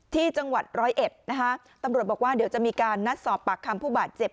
ที่จังหวัดร้อยเอ็ดนะคะตำรวจบอกว่าเดี๋ยวจะมีการนัดสอบปากคำผู้บาดเจ็บ